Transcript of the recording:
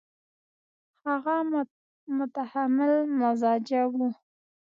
هغه متحمل مزاجه وو.